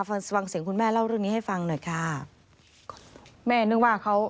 ฟังเสียงคุณแม่เล่าเรื่องนี้ให้ฟังหน่อยค่ะ